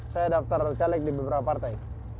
saya daftar caleg di beberapa partai